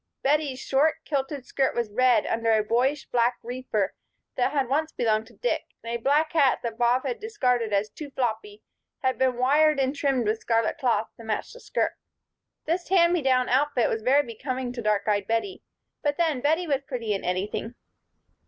Bettie's short, kilted skirt was red under a boyish black reefer that had once belonged to Dick, and a black hat that Bob had discarded as "too floppy" had been wired and trimmed with scarlet cloth to match the skirt. This hand me down outfit was very becoming to dark eyed Bettie, but then, Bettie was pretty in anything.